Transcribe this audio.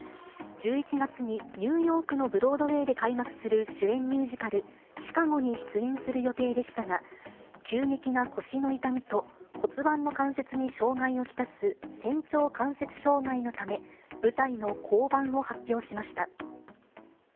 １１月にニューヨークのブロードウェイで開幕する主演ミュージカル、ＣＨＩＣＡＧＯに出演する予定でしたが、急激な腰の痛みと、骨盤の関節に障害を来す仙腸関節障害のため、舞台の降板を発表しました。